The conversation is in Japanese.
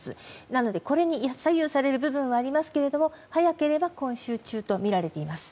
なので、これに左右される部分はありますが早ければ今週中とみられています。